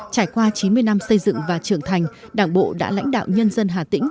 trải qua chín mươi năm xây dựng và trưởng thành đảng bộ đã lãnh đạo nhân dân hà tĩnh